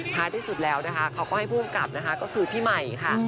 ที่สุดแล้วนะคะเขาก็ให้ผู้กำกับนะคะก็คือพี่ใหม่ค่ะ